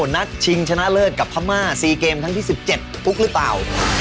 นัดชิงชนะเลิศกับพม่า๔เกมครั้งที่๑๗ฟุกหรือเปล่า